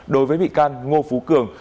đối với bị can ngô phú cường